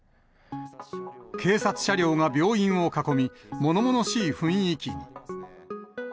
警察車両が病院を囲み、ものものしい雰囲気に。